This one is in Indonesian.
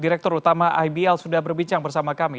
direktur utama ibl sudah berbicara bersama kami